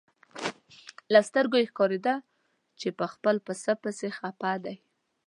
له سترګو یې ښکارېده چې په خپل پسه پسې خپه دی.